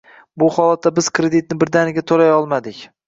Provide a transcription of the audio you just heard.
Bu holatda biz kreditni birdaniga to'lay olmadik